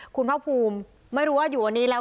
คุณภาคภูมิไม่รู้ว่าอยู่วันนี้แล้ว